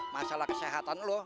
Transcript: masalah kesehatan lo